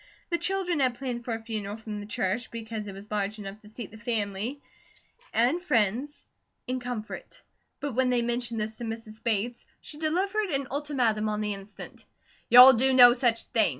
The children had planned for a funeral from the church, because it was large enough to seat the family and friends in comfort; but when they mentioned this to Mrs. Bates, she delivered an ultimatum on the instant: "You'll do no such thing!"